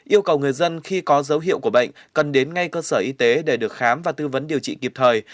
yêu cầu người dân khi có dấu hiệu của bệnh cần đến ngay cơ sở y tế để được khám và tư vấn điều trị kịp thời